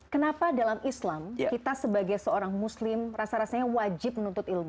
kenapa dalam islam kita sebagai seorang muslim rasa rasanya wajib menuntut ilmu